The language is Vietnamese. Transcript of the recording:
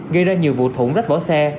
gây ra nhiều vụ thủng rách bỏ xe